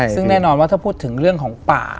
ซึ่งแน่นอนว่าถ้าพูดถึงเรื่องของป่า